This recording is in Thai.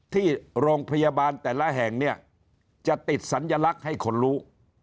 ที่โรงพยาบาลแต่ละแห่งเนี่ยจะติดสัญลักษณ์ให้คนรู้